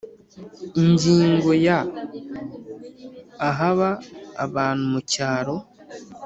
Ingingo ya ahaba abantu mu cyaro